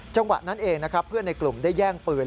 จังหวะนั้นเองนะครับเพื่อนในกลุ่มได้แย่งปืน